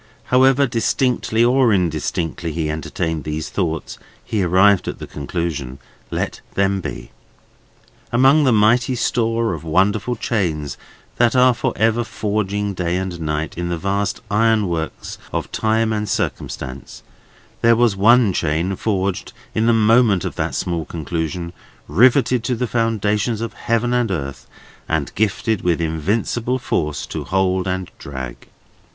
However distinctly or indistinctly he entertained these thoughts, he arrived at the conclusion, Let them be. Among the mighty store of wonderful chains that are for ever forging, day and night, in the vast iron works of time and circumstance, there was one chain forged in the moment of that small conclusion, riveted to the foundations of heaven and earth, and gifted with invincible force to hold and drag.